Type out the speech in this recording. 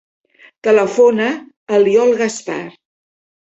Telefona a l'Iol Gaspar.